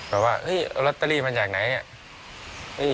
แบบว่าเอ้ยเอาลอตเตอรี่มาจากไหนเนี่ย